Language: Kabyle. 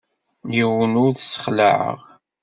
Yiwen ur t-ssexlaɛeɣ.